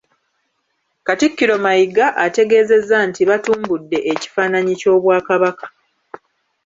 Katikkiro Mayiga ategeezezza nti batumbudde ekifaananyi ky’Obwakabaka